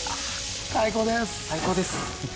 最高です